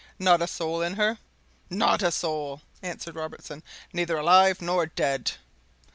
"Not a soul in her?" "Not a soul!" answered Robertson. "Neither alive nor dead!"